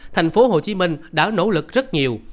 tp hcm đã nỗ lực rất nhiều